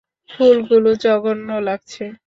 ফুলগুলো জঘন্য লাগছে।